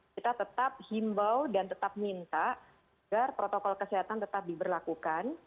kita tetap himbau dan tetap minta agar protokol kesehatan tetap diberlakukan